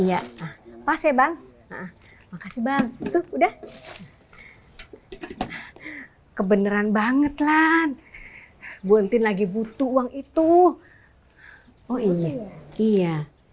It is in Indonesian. iya pas ya bang makasih bang udah kebeneran banget lan buntin lagi butuh uang itu oh iya iya